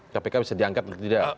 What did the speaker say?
kpk bisa diangkat atau tidak